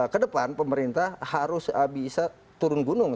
kedepan pemerintah harus bisa turun gunung